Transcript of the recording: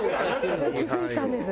気付いたんです。